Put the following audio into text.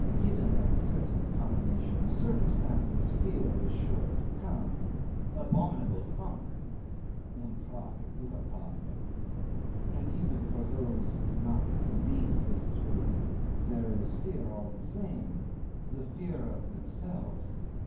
Given a certain combination of circumstances, fear is sure to come. Abominable funk (un trac epouvantable). And even for those who do not believe this truth there is fear all the same the fear of themselves.